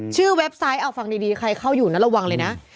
เว็บไซต์เอาฟังดีใครเข้าอยู่นะระวังเลยนะ